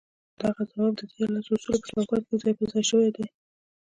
دغه ځواب د ديارلسو اصولو په چوکاټ کې ځای پر ځای شوی دی.